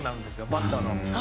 バッターの。